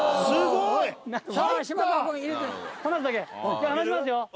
じゃ離しますよ。